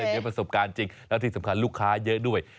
เยอะประสบการณ์จริงแล้วที่สำคัญลูกค้าเยอะด้วย